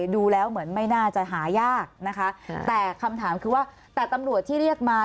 ดูแล้วเหมือนไม่น่าจะหายากนะคะแต่คำถามคือว่าแต่ตำรวจที่เรียกมา